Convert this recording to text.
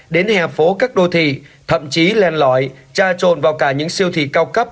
đến hẹp phố các đô thị thậm chí len lõi tra trồn vào cả những siêu thị cao cấp